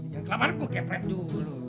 yang kelamanku kayak prep dulu